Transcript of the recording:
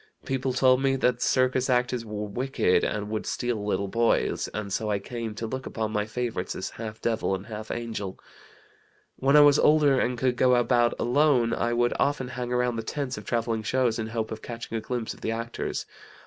People told me that circus actors were wicked, and would steal little boys, and so I came to look upon my favorites as half devil and half angel. When I was older and could go about alone, I would often hang around the tents of travelling shows in hope of catching a glimpse of the actors.